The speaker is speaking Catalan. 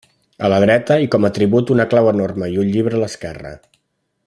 A la dreta i com atribut una clau enorme i un llibre a l'esquerra.